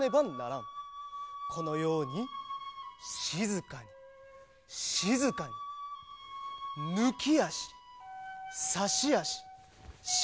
このようにしずかにしずかにぬきあしさしあししのびあし。